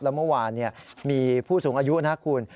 แล้วเมื่อวานมีผู้สูงอายุนะครับคุณ